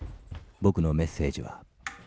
「僕のメッセージは」